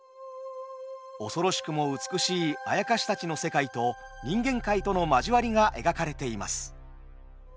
恐ろしくも美しいあやかしたちの世界と人間界との交わりが描かれています。